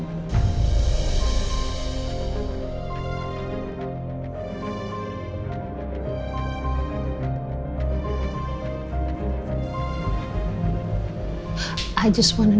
mama cuma mau tahu